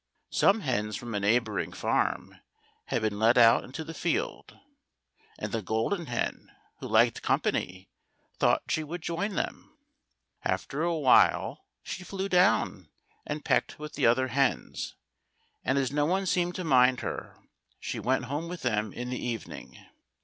Some hens from a neighbouring farm had been let o\it into the field, and the Golden Hen, who liked company, thought she would join them. After a while she flew down and pecked with the other hens, and as no one seemed to mind her, she went home with them in the evening.